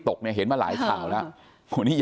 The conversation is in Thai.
อันนี้แม่งอียางเนี่ย